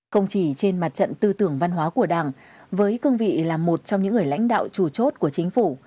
không chỉ trên mặt trận tư tưởng văn hóa của đảng với cương vị là một trong những người lãnh đạo chủ chốt của chính phủ